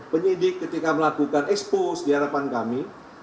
penyidik ketika melakukan expose di hadapan kami